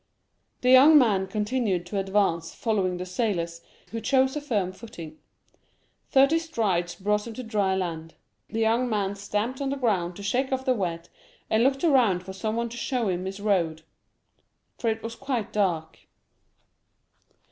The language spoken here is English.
The young man continued to advance, following the sailors, who chose a firm footing. Thirty strides brought them to dry land; the young man stamped on the ground to shake off the wet, and looked around for someone to show him his road, for it was quite dark.